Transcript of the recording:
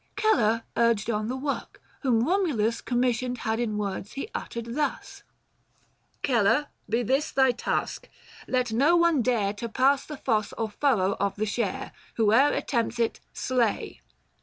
Celer urged on the work, whom Eomulus Commissioned had in words he uttered thus :— 970 " Celer, be this thy task : let no one dare To pass the fosse or furrow of the share ; Whoe'er attempts it, slay."